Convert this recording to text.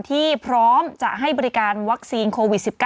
ที่พร้อมจะให้บริการวัคซีนโควิด๑๙